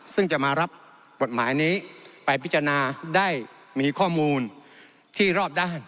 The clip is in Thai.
ซึ่งจะมารับกฎหมายนี้ไปพิจารณาได้มีข้อมูลที่รอบด้าน